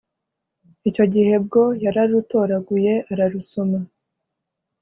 icyo gihe bwo yararutoraguye ararusoma